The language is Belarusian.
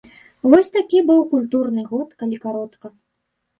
Вось такі быў культурны год, калі каротка.